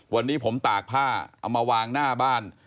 วันนี้ผมตากผ้าเอามาวางหน้าบ้าน